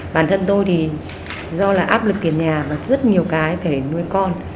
bản thân tôi thì do là áp lực tiền nhà và rất nhiều cái phải nuôi con